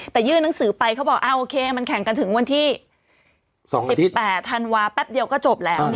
แต่ยื่นหนังสือไปเขาบอกโอเคมันแข่งกันถึงวันที่๑๘ธันวาแป๊บเดียวก็จบแล้ว